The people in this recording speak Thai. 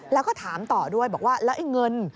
แล้วก็ถามต่อด้วยบอกว่าแล้วไอ้เงิน